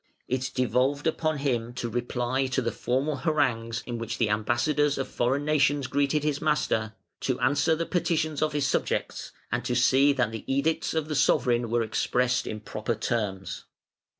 It devolved upon him to reply to the formal harangues in which the ambassadors of foreign nations greeted his master, to answer the petitions of his subjects, and to see that the edicts of the sovereign were expressed in proper terms.